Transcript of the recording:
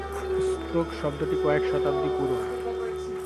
Stroke শব্দটি কয়েক শতাব্দী পুরনো।